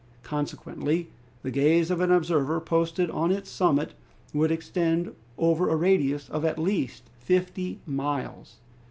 Consequently the gaze of an observer posted on its summit would extend over a radius of at least fifty miles.